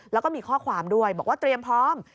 แล้วก็มีข้อความด้วยบอกว่าเตรียมพร้อม